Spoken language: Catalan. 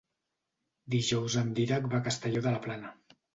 Dijous en Dídac va a Castelló de la Plana.